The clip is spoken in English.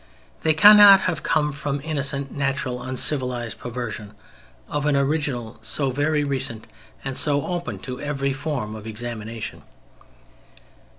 They cannot have come from an innocent, natural, uncivilized perversion of an original so very recent and so open to every form of examination.